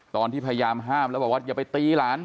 ตอนที่พยายามห้ามแล้วบอกว่าอย่าไปตีหลาน